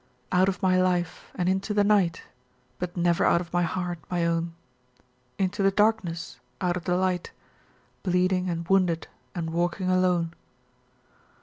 "Out of my life, and into the night, But never out of my heart, my own. Into the darkness, out of the light, Bleeding and wounded and walking alone."